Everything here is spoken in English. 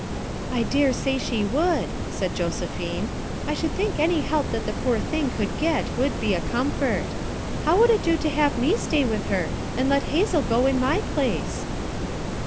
"I dare say she would," said Josephine. "I should think any help that the poor thing could get would be a comfort. How would it do to 48 FOUR MOTHERS AT CHAUTAUQUA have me stay with her and let Hazel go in my place!"